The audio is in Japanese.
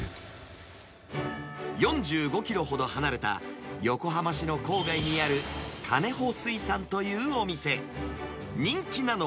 ４５キロほど離れた、横浜市の郊外にあるカネ保水産というお店。